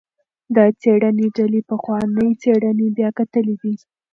د څیړنې ډلې پخوانۍ څیړنې بیا کتلي دي.